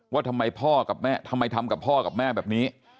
ว่าทำไมทำกับพ่อกับแม่แบบนี้